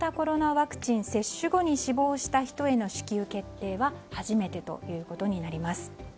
ワクチン接種後に死亡した人への支給決定は初めてということになります。